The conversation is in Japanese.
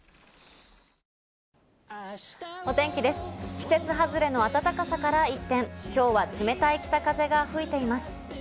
季節外れの暖かさから一転、今日は冷たい北風が吹いています。